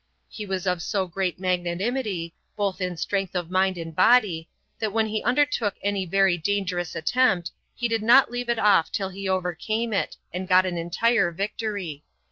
He was of so great magnanimity, both in strength of mind and body, that when he undertook any very dangerous attempt, he did not leave it off till he overcame it, and got an entire victory.